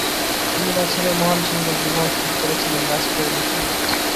তিনি তাঁর ছেলে মহান সিংয়ের বিবাহ স্থির করেছিলেন রাজ কৌরের সঙ্গে।